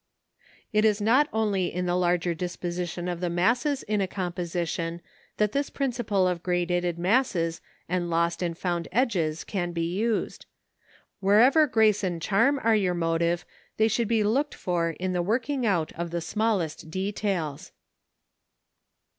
It is not only in the larger disposition of the masses in a composition that this principle of gradated masses and lost and found edges can be used. Wherever grace and charm are your motive they should be looked for in the working out of the smallest details.